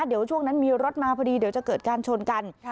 เดี๋ยวช่วงนั้นมีรถมาพอดีเดี๋ยวจะเกิดการชนกัน